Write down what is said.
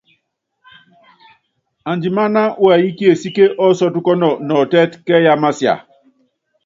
Andimáná wɛyí kiesíke ɔ́sɔ́tukɔ́nɔ nɔɔtɛ́t kɛ́yí ámasia.